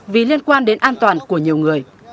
vì liên quan đến an toàn của nhiều người